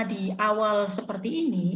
di awal seperti ini